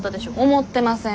思ってません。